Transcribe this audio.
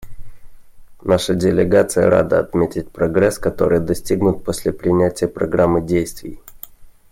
Наша делегация рада отметить прогресс, который достигнут после принятия Программы действий.